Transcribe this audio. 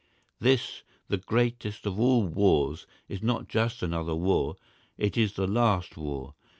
This, the greatest of all wars, is not just another war—it is the last war!